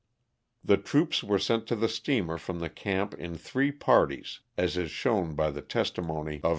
The troops were sent to the steamer from the camp in three parties, as is shown by the testimony 16 LOSS OF THE SULTANA.